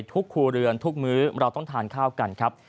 ทุกครัวเรือนทุกมื้อเราต้องทานข้าวกันครับ